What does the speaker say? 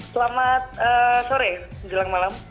selamat sore selamat malam